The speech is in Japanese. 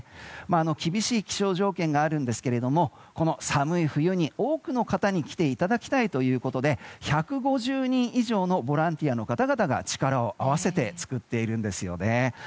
厳しい気象条件があるんですがこの寒い冬に多くの方に来ていただきたいということで１５０人以上のボランティアの方々が力を合わせて作っているんですよね。